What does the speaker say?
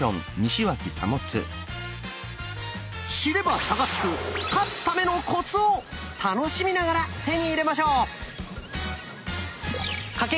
知れば差がつく「勝つためのコツ」を楽しみながら手に入れましょう！